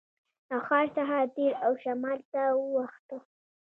له ښار څخه تېر او شمال ته واوښتو.